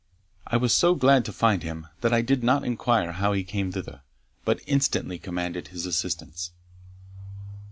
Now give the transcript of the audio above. I was so glad to find him, that I did not inquire how he came thither, but instantly commanded his assistance.